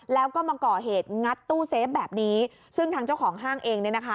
แล้วก็มาก่อเหตุงัดตู้เซฟแบบนี้ซึ่งทางเจ้าของห้างเองเนี่ยนะคะ